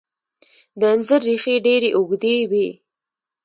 د انځر ریښې ډیرې اوږدې وي.